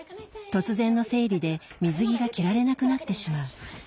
突然の生理で水着が着られなくなってしまう。